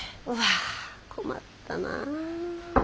うわあ困ったな。